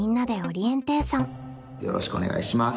よろしくお願いします。